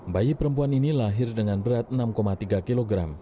bayi perempuan ini lahir dengan berat enam tiga kg